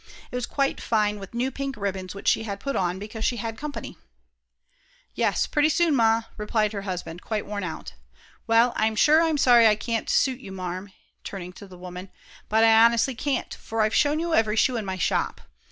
It was quite fine, with new pink ribbons which she had put on because she had company. "Yes, pretty soon, Ma," replied her husband, quite worn out. "Well, I'm sure I'm sorry I can't suit you, Marm," turning to the woman, "but I honestly can't, for I've shown you every shoe in my shop.